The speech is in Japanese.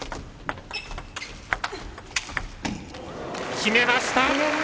決めました！